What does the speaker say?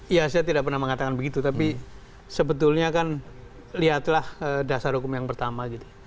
iya saya tidak pernah mengatakan begitu tapi sebetulnya kan lihatlah dasar hukum yang pertama